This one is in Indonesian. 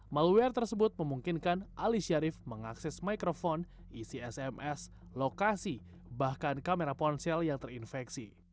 malware tersebut memungkinkan ali syarif mengakses mikrofon ecsms lokasi bahkan kamera ponsel yang terinfeksi